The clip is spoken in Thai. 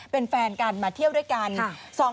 เป็นแฟนกันมาเที่ยวด้วยกัน